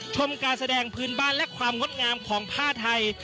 ชมการแสดงพื้นบ้านและความงดงามของผ้าไทย